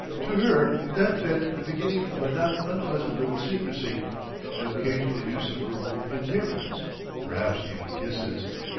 To her that meant the beginning of a not unpleasant little secrecy, an occasional use of verbal endearments, perhaps even kisses.